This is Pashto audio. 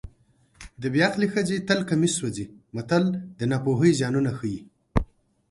د بې عقلې ښځې تل کمیس سوځي متل د ناپوهۍ زیانونه ښيي